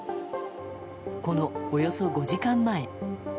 このおよそ５時間前。